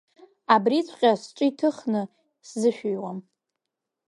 Абриҵәҟьа сҿы инҭыхны сзышәиуам.